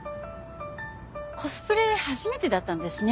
コスプレ初めてだったんですね。